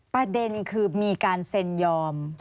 ประเด็นคือมีการเซ็นยอม